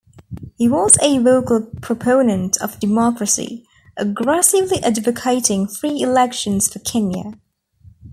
He was a vocal proponent of democracy, aggressively advocating free elections for Kenya.